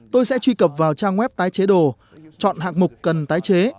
tôi sẽ truy cập vào trang web tái chế đồ chọn hạng mục cần tái chế